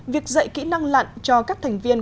việc dạy kỹ năng lặn cho các thành viên